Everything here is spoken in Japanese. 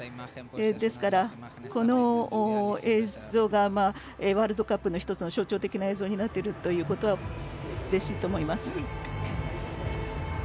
ですから、この映像がワールドカップの１つの象徴的な映像になっていることはうれしいと思います。